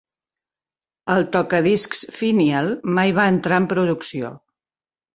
El tocadiscs Finial mai van entrar en producció.